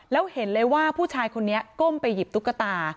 แล้วเห็นเลยว่าผู้ชายคนนี้ก้มไปหยิบตุ๊กตา